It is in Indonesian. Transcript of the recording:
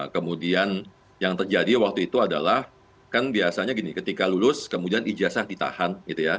kemudian yang terjadi waktu itu adalah kan biasanya gini ketika lulus kemudian ijazah ditahan